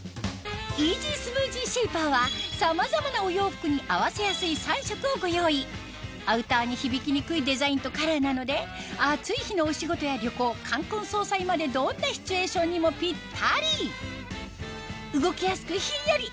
イージースムージーシェイパーはさまざまなお洋服に合わせやすい３色をご用意アウターに響きにくいデザインとカラーなので暑い日のお仕事や旅行冠婚葬祭までどんなシチュエーションにもピッタリ動きやすくヒンヤリ！